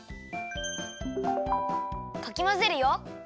かきまぜるよ。